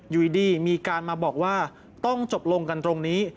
อยู่ดีมีการมาบอกว่าต้องจบลงกันตรงนี้